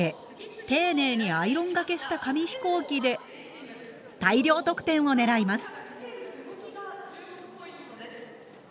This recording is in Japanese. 丁寧にアイロンがけした紙飛行機で大量得点を狙います。